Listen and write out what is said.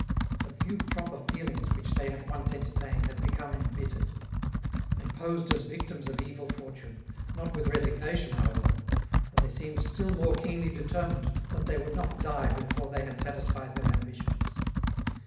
The few proper feelings which they had once entertained had become embittered. They posed as victims of evil fortune, not with resignation, however, for they seemed still more keenly determined that they would not die before they had satisfied their ambitions.